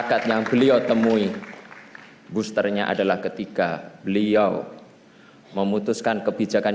kenapa kita mengajak